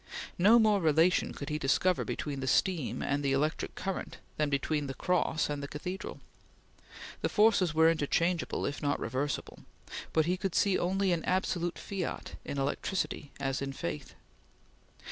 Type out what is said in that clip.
No more relation could he discover between the steam and the electric current than between the Cross and the cathedral. The forces were interchangeable if not reversible, but he could see only an absolute fiat in electricity as in faith.